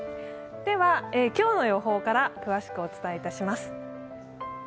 今日の予報から詳しくお伝えいたします。